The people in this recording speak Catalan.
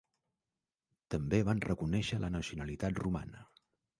També van reconèixer la nacionalitat romana.